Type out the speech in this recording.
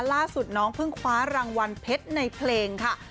ล่าสุดน้องเพิ่งคว้ารางวัลเพชรในเพลงค่ะ